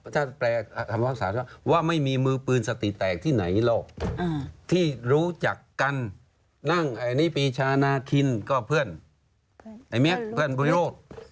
ถ้าแปลคำภาษาว่าไม่มีมือปืนสติแตกที่ไหนหรอกที่รู้จักกันนั่งไอ้นี่ปีชานาคินก็เพื่อนไอ้เมียเพื่อนบริโรธ